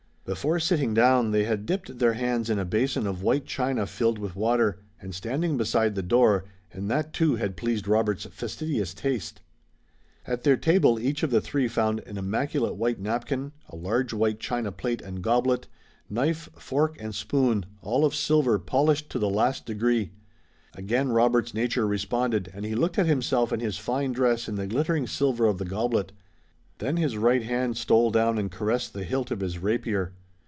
Before sitting down, they had dipped their hands in a basin of white china filled with water, and standing beside the door, and that too had pleased Robert's fastidious taste. At their table each of the three found an immaculate white napkin, a large white china plate and goblet, knife, fork and spoon, all of silver, polished to the last degree. Again Robert's nature responded and he looked at himself in his fine dress in the glittering silver of the goblet. Then his right hand stole down and caressed the hilt of his rapier.